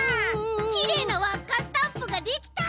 きれいなわっかスタンプができた！